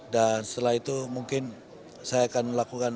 dan setelah itu mungkin saya akan melakukan